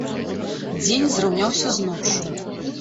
Дзень зраўняўся з ноччу.